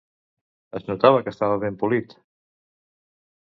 Es notava que estava ben polit?